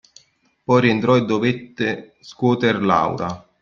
Poi rientrò e dovette scuoter Laura.